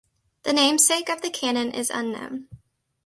The namesake of the cannon is unknown.